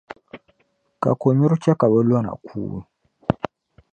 ka konyuri chɛ ka bɛ lɔna kuui.